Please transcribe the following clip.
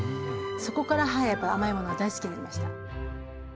そこからはいやっぱ甘いものが大好きになりました。